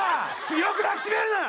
強く抱きしめるな！